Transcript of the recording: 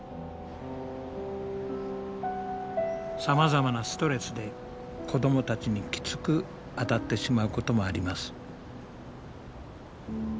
さまざまなストレスで子どもたちにきつく当たってしまうこともあります。